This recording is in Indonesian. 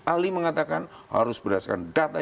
ali mengatakan harus berdasarkan data